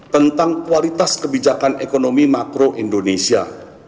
tentang kualitas kebijakan ekonomi makro indonesia